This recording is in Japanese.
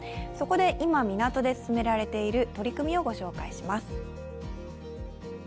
そこで今、港で進められている取り組みをご紹介します。